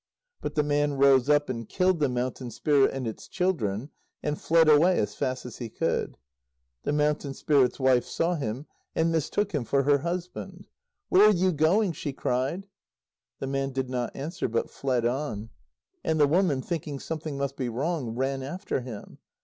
But the man rose up, and killed the Mountain Spirit and its children, and fled away as fast as he could. The Mountain Spirit's wife saw him, and mistook him for her husband. "Where are you going?" she cried. The man did not answer, but fled on. And the woman, thinking something must be wrong, ran after him.